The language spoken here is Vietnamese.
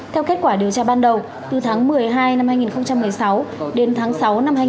theo kết quả điều tra ban đầu từ tháng một mươi hai năm hai nghìn một mươi sáu đến tháng sáu năm hai nghìn một mươi chín